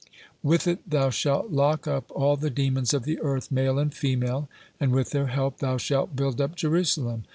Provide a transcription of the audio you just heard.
With it thou shalt lock up all the demons of the earth, male and female; and with their help thou shalt build up Jerusalem.